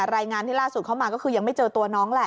รายงานที่ล่าสุดเข้ามาก็คือยังไม่เจอตัวน้องแหละ